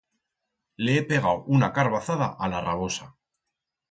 Le he pegau una carbazada a la rabosa.